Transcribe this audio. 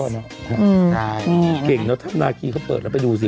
ใช่เก่งเนอะนาคีเขาเปิดแล้วไปดูสิ